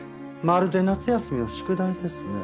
まるで夏休みの宿題ですね。